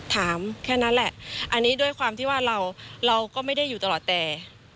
แค่นั้นแหละอันนี้ด้วยความที่ว่าเราก็ไม่ได้อยู่ตลอดแต่